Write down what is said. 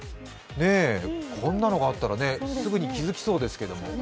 こんなのがあったらすぐに気付きそうですけど。